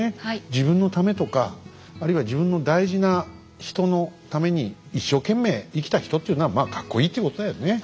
自分のためとかあるいは自分の大事な人のために一生懸命生きた人っていうのはまあカッコいいってことだよね。